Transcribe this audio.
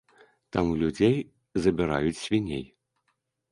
Там у людзей забіраюць свіней.